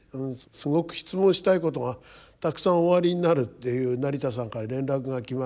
すごく質問したいことがたくさんおありになるっていう成田さんから連絡が来まして。